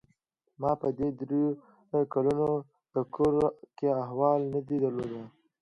ما په دې درېو کلونو د کور کلي احوال نه درلود.